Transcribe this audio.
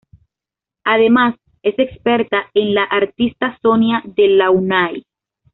Además, es experta en la artista Sonia Delaunay.